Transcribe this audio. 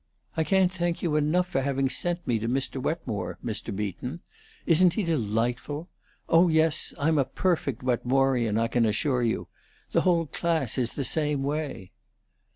I can't thank you enough for having sent me to Mr. Wetmore, Mr. Beaton. Isn't he delightful? Oh yes, I'm a perfect Wetmorian, I can assure you. The whole class is the same way."